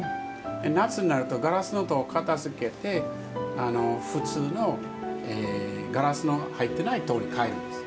夏になるとガラスの戸を片づけて普通のガラスの入っていない戸に替えるんです。